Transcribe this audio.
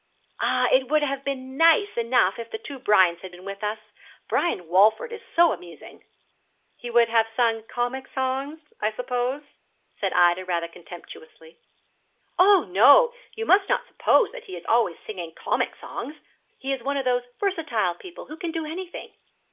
'Ah, it would have been nice enough if the two Brians had been with us. Brian Walford is so amusing.' 'He would have sung comic songs, I suppose?' said Ida rather contemptuously. 'Oh, no; you must not suppose that he is always singing comic songs. He is one of those versatile people who can do anything.'